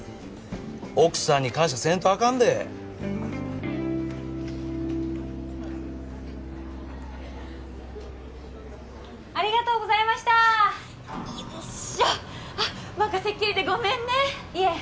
奥さんに感謝せんとあかんでありがとうございましたよいしょあっ任せっきりでごめんねいえ